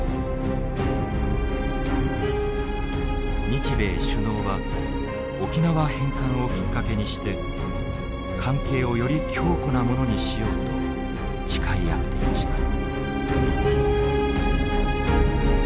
日米首脳は沖縄返還をきっかけにして関係をより強固なものにしようと誓い合っていました。